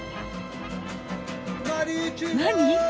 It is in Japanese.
何？